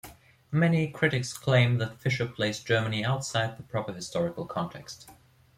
Many critics claim that Fischer placed Germany outside the proper historical context.